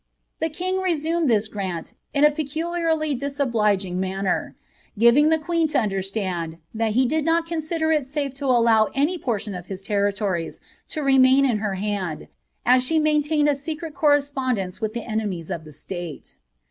Th« kin( resamed this grant in a perulinrly disobliging manner, gning the qneni lo understand " 3iat he did not consider it mife to allow any pnttioa «f hi) tenitoties lo renjain in her hand>i, m sh« mainlained a n oM com pondence with the enrmies of the stale."